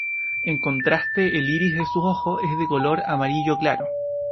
En contraste el iris de sus ojos es color amarillo claro.